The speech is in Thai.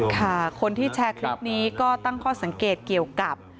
ค่ะคนที่แชร์คลิปนี้ก็ตั้งข้อสังเกตเกี่ยวกับ